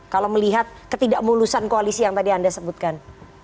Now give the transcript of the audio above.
kalau melihat ketidakmulusan koalisi yang tadi anda sebutkan